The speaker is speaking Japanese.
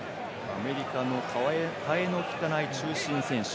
アメリカの代えのきかない中心選手。